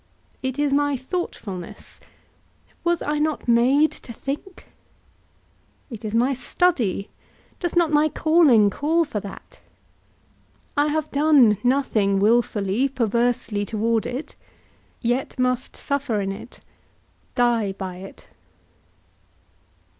It is my thoughtfulness; was I not made to think? It is my study; doth not my calling call for that? I have done nothing wilfully, perversely toward it, yet must suffer in it, die by it.